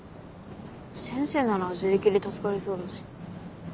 先生なら自力で助かりそうだし。